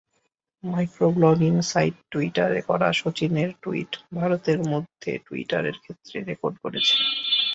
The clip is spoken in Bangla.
মাইক্রোব্লগিং সাইট টুইটারে করা শচীনের টুইট ভারতের মধ্যে রিটুইটের ক্ষেত্রে রেকর্ড গড়েছে।